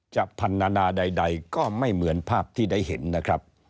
พันนานาใดก็ไม่เหมือนภาพที่ได้เห็นนะครับ